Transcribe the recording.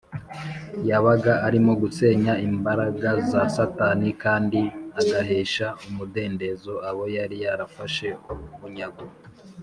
yabaga arimo gusenya imbaraga za satani kandi agahesha umudendezo abo yari yarafashe bunyago